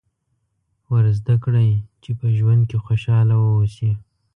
ور زده کړئ چې په ژوند کې خوشاله واوسي.